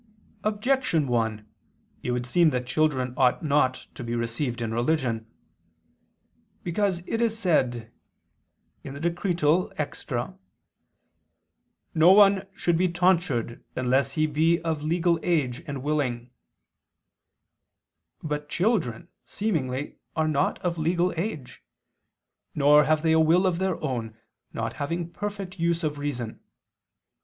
Objection 1: It would seem that children ought not to be received in religion. Because it is said (Extra, De Regular. et Transeunt. ad Relig., cap. Nullus): "No one should be tonsured unless he be of legal age and willing." But children, seemingly, are not of legal age; nor have they a will of their own, not having perfect use of reason.